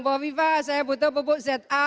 bapak wiva saya butuh bebuk za